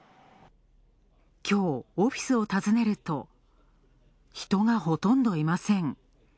きょう、オフィスをたずねると、人がほとんどいません。